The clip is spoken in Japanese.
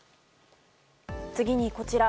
次にこちら。